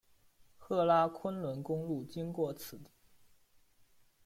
喀喇昆仑公路经过此地。